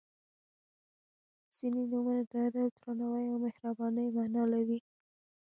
• ځینې نومونه د ادب، درناوي او مهربانۍ معنا لري.